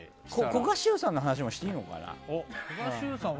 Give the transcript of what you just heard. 古賀シュウさんの話もしていいのかな。